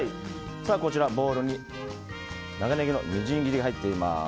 ボウルに長ネギのみじん切り入っています。